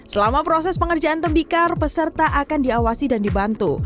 selama proses pengerjaan tembikar peserta akan diawasi dan dibantu